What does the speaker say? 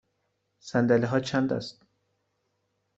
صندلی ها چند است؟